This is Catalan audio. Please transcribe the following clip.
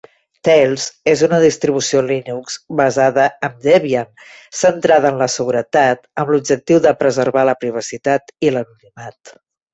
Tails és una distribució Linux basada en Debian centrada en la seguretat, amb l'objectiu de preservar la privacitat i l'anonimat.